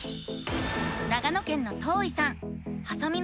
長野県のとういさん。